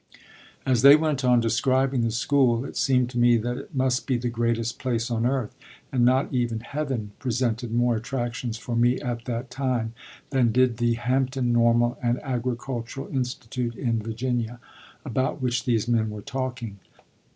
As they went on describing the school, it seemed to me that it must be the greatest place on earth, and not even Heaven presented more attractions for me at that time than did the Hampton Normal and Agricultural Institute in Virginia, about which these men were talking.